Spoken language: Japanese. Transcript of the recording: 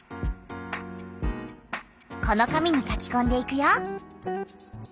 この紙に書きこんでいくよ。